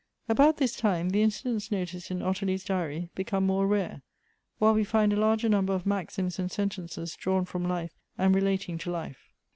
About this time, the incidents noticed in Ottilie's diary become more rare, while we find a larger number of maxims and sentences drawn from life and relating to life.